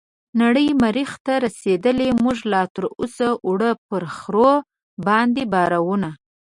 نړۍ مريح ته رسيدلې موږ لا تراوسه وړو په خرو باندې بارونه